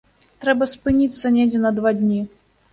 Трэба спыніцца недзе на два дні?